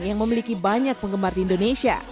yang memiliki banyak penggemar di indonesia